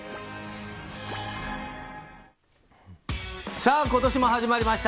さぁ今年も始まりました